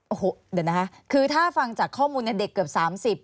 โอ้โหเดี๋ยวนะคะคือถ้าฟังจากข้อมูลเนี่ยเด็กเกือบ๓๐